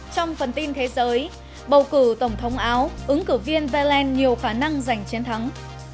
trong phần tin thế giới bầu cử tổng thống áo ứng cử viên zelen nhiều khả năng giành chiến thắng